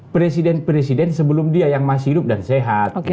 presiden presiden sebelum dia yang masih hidup dan sehat